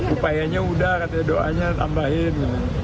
upayanya udah katanya doanya tambahin